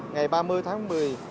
ngày ba mươi tháng một mươi hai